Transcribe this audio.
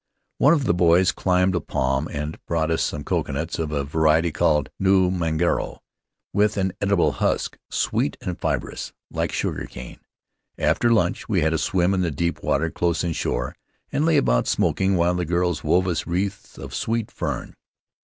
One of the boys climbed a palm and brought us some coconuts of a variety called nu mangaro, with an edible husk, sweet and fibrous, like sugar cane. After lunch we had a swim in the deep water close inshore and lay about smoking while the girls wove us wreaths of sweet fern.